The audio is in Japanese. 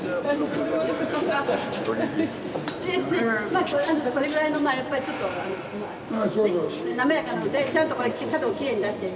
まあこれぐらいのやっぱりちょっと滑らかなのでちゃんと角をきれいに出して。